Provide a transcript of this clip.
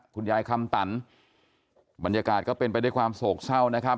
คุณยายคำตั่นบรรยากาศก็เป็นไปด้วยความโศกเช่า